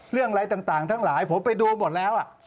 เรื่องอะไรต่างทั้งหลายผมไปดูหมดแล้ว